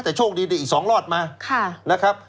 แต่โชคดีอีก๒รอดมาค่ะนะครับ